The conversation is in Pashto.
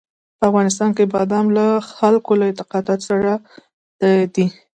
په افغانستان کې بادام له خلکو له اعتقاداتو سره دي.